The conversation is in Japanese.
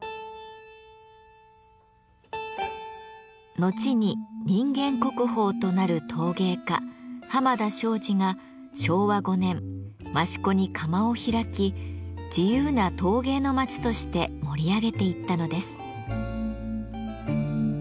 後に人間国宝となる陶芸家濱田庄司が昭和５年益子に窯を開き自由な陶芸の町として盛り上げていったのです。